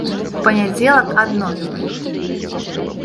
У панядзелак адновім іх.